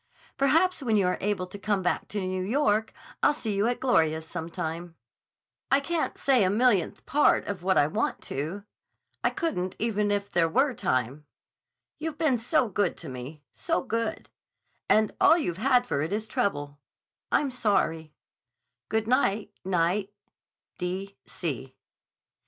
Perhaps when you are able to come back to New York I'll see you at Gloria's some time. I can't say a millionth part of what I want to. I couldn't even if there were time. You've been so good to me—so good. And all you've had for it is trouble. I'm sorry. Good night, Knight.